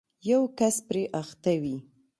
یو کس پرې اخته وي